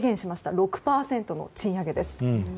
６％の賃上げです。